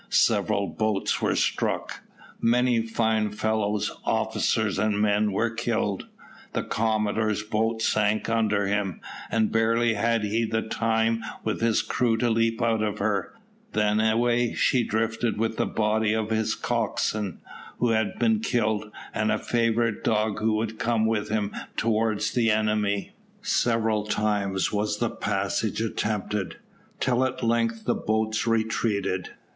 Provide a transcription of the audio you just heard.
Several boats were struck. Many fine fellows, officers and men, were killed. The commodore's boat sank under him, and barely had he time with his crew to leap out of her, than away she drifted with the body of his coxswain, who had been killed, and a favourite dog who would come with him towards the enemy. Several times was the passage attempted, till at length the boats retreated.